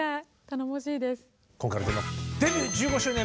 頼もしいです。